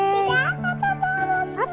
tidak apa apa bu